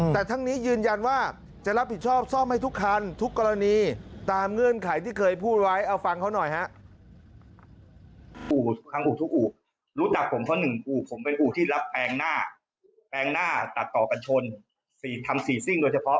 แต่ทั้งนี้ยืนยันว่าจะรับผิดชอบซ่อมให้ทุกคันทุกกรณีตามเงื่อนไขที่เคยพูดไว้เอาฟังเขาหน่อยฮะ